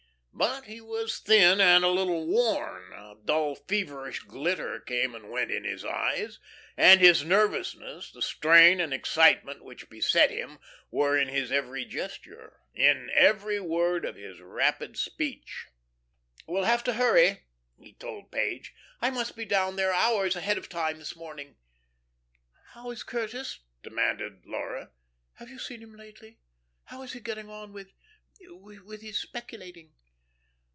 But he was thin and a little worn, a dull feverish glitter came and went in his eyes, and his nervousness, the strain and excitement which beset him were in his every gesture, in every word of his rapid speech. "We'll have to hurry," he told Page. "I must be down there hours ahead of time this morning." "How is Curtis?" demanded Laura. "Have you seen him lately? How is he getting on with with his speculating?"